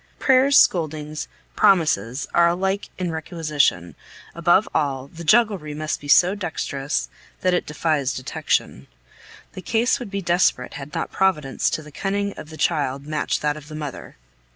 Prayers, scoldings, promises, are alike in requisition; above all, the jugglery must be so dexterous that it defies detection. The case would be desperate had not Providence to the cunning of the child matched that of the mother.